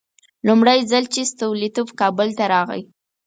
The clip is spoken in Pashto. لومړی ځل چې ستولیتوف کابل ته راغی.